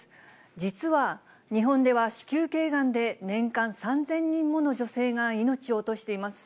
実は日本では、子宮けいがんで年間、３０００人もの女性が命を落としています。